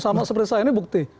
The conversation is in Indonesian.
sama seperti saya ini bukti